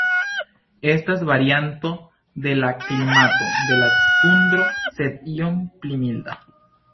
Estas varianto de la klimato de la tundro, sed iom pli milda.